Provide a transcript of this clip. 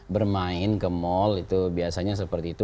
bermain ke mal itu biasanya seperti itu